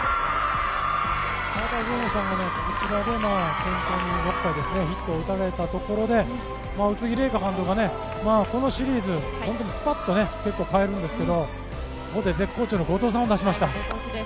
ただ、上野さんが先頭バッターにヒットを打たれたところで宇津木麗華監督がこのシリーズ本当にスパっと結構、代えるんですけど絶好調の後藤さんを出しました。